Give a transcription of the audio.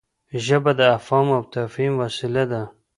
ژبه د افهام او تفهیم وسیله ده.